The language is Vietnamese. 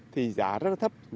thì giá rất là thấp